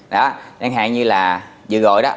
đấy như là vừa rồi đó